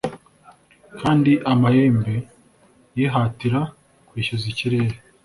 kandi amahembe yihatira kwishyuza ikirere.